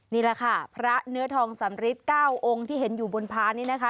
นี่แหละค่ะพระเนื้อทองสำริท๙องค์ที่เห็นอยู่บนพานี่นะคะ